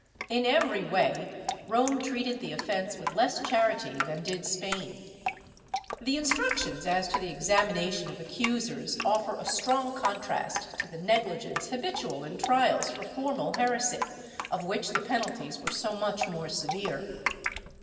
In every way Rome treated the offence with less charity than did Spain/ The instructions as to the examination of accusers offer a strong contrast to the negUgence habitual in trials for formal heresy, of which the penalties were so much more severe.